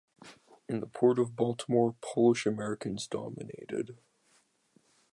In the Port of Baltimore, Polish Americans dominated.